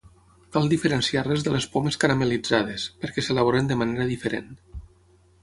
Cal diferenciar-les de les pomes caramel·litzades, perquè s'elaboren de manera diferent.